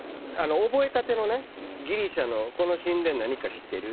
覚えたてのギリシャのこの神殿、何か知ってる？